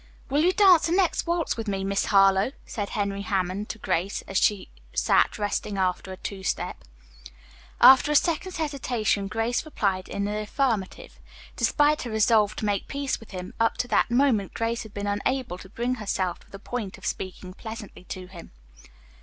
"Will you dance the next waltz with me, Miss Harlowe!" said Henry Hammond to Grace, as she sat resting after a two step. After a second's hesitation Grace replied in the affirmative. Despite her resolve to make peace with him, up to that moment Grace had been unable to bring herself to the point of speaking pleasantly to him.